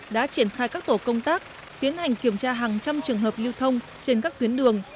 đã triển khai các tổ công tác tiến hành kiểm tra hàng trăm trường hợp lưu thông trên các tuyến đường